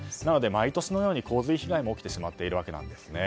なので毎年のように洪水被害も起きてしまっているわけなんです。